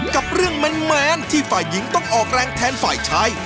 กับเรื่องแมนที่ฝ่ายหญิงต้องออกแรงแทนฝ่ายชาย